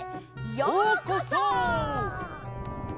ようこそ！